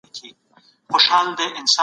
د مېوو تازه والی د صحت راز دی.